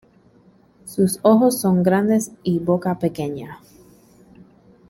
Sus ojos son grandes y su boca pequeña.